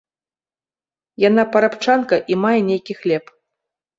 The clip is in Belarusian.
Яна парабчанка і мае нейкі хлеб.